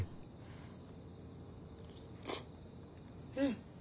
うん。